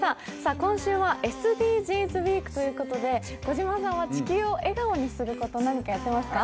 今週はＳＤＧｓウィークということで、児嶋さんは地球を笑顔にすること、何かやっていますか？